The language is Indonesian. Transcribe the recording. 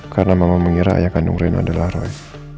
karena mama mengira ayah kandung rena adalah roy